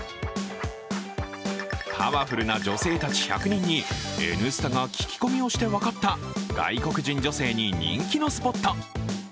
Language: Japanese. パワフルな女性たち１００人に「Ｎスタ」が聞き込みをして分かった外国人女性に人気のスポット。